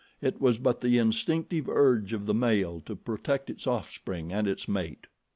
It was but the instinctive urge of the male to protect its offspring and its mate.